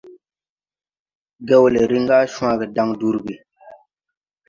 Gewle riŋ ga cwage dan durgi.